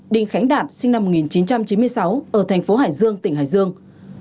đình khánh đạt sinh năm một nghìn chín trăm chín mươi sáu ở thành phố hải dương tỉnh hải dương